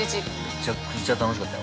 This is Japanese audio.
◆めちゃくちゃ楽しかったよ。